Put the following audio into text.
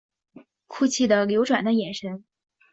哭泣的流转的眼神